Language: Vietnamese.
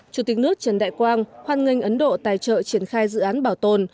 chủ tịch nước trần đại quang hoan nghênh ấn độ tài trợ triển khai dự án bảo tồn